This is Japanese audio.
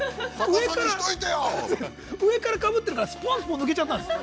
◆上からかぶっているから、スポンスポン、抜けちゃったんです。